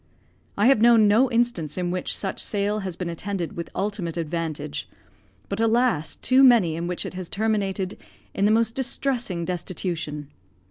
I have known no instance in which such sale has been attended with ultimate advantage; but, alas! too many in which it has terminated in the most distressing destitution.